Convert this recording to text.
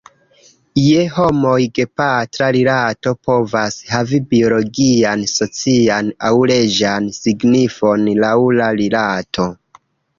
Je homoj, gepatra rilato povas havi biologian, socian, aŭ leĝan signifon, laŭ la rilato.